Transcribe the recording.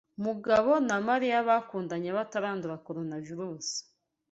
Mugabo na Mariya bakundanye batarandura Coronavirusi.